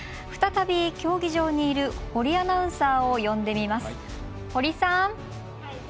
再び、競技場に入る堀アナウンサーを呼んでみます。